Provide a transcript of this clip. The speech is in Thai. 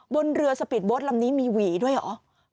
อ๋อบนเรือสปีดโบสต์ลำนี้มีหวีด้วยหรือ